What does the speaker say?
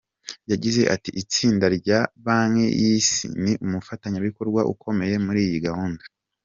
Yagizeati“Itsinda rya Banki y’Isi ni umufatanyabikorwa ukomeye muri iyi gahunda.